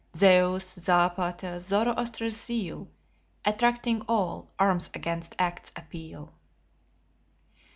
Zeus', Zarpater's, Zoroaster's zeal, Attracting all, arms against acts appeal!